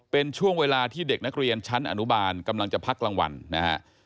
เป็นช่วงเวลาที่เด็กนักเรียนชั้นอนุบาลกำลังจะพักรางวัลนะฮะ